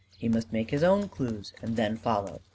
He must make his own clues and then follow.